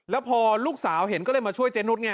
แล้วพอลูกสาวเห็นก็เลยมาช่วยเจนุสไง